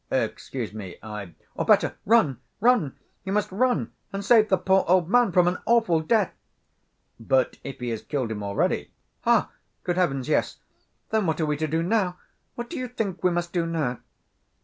"Excuse me, I...." "Or better run, run, you must run and save the poor old man from an awful death!" "But if he has killed him already?" "Ah, good heavens, yes! Then what are we to do now? What do you think we must do now?"